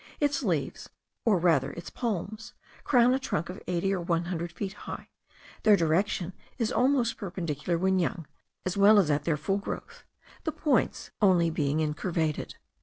Its leaves, or rather its palms, crown a trunk of eighty or one hundred feet high; their direction is almost perpendicular when young, as well as at their full growth, the points only being incurvated.